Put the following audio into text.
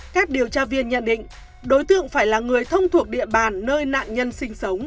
các điều tra viên nhận định đối tượng phải là người thông thuộc địa bàn nơi nạn nhân sinh sống